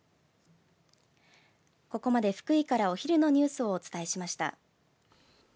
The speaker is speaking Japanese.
ここまで福井からお昼のニュースをお伝えしました。